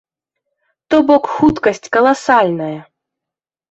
То бок хуткасць каласальная!